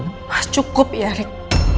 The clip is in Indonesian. mas cukup ya rik